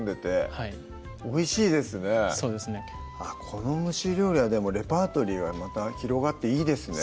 この蒸し料理はレパートリーがまた広がっていいですね